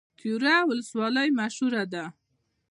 تیوره ولسوالۍ مشهوره ده؟